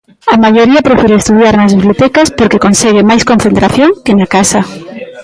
A maioría prefire estudar nas bibliotecas porque consegue máis concentración que na casa.